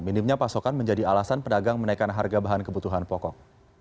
minimnya pasokan menjadi alasan pedagang menaikkan harga bahan kebutuhan pokok